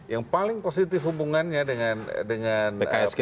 yang paling positif hubungannya dengan pdip ini adalah pak jokowi